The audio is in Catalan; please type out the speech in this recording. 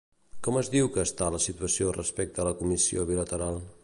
Com diu que està la situació respecte a la Comissió Bilateral?